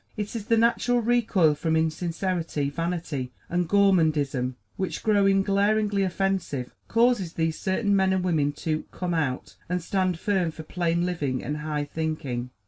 It is the natural recoil from insincerity, vanity and gormandism which, growing glaringly offensive, causes these certain men and women to "come out" and stand firm for plain living and high thinking.